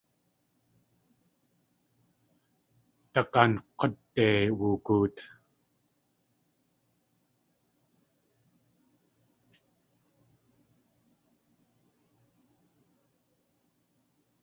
Dag̲ank̲úde woogoot.